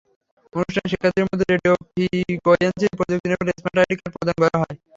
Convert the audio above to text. অনুষ্ঠানে শিক্ষার্থীদের মধ্যে রেডিও ফ্রিকোয়েন্সি প্রযুক্তিনির্ভর স্মার্ট আইডি কার্ড প্রদান করা হয়।